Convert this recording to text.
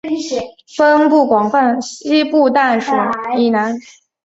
西部淡水以南至盐水溪口以北间广泛分布。